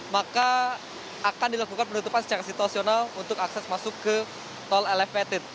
maka akan dilakukan penutupan secara situasional untuk akses masuk ke tol elevated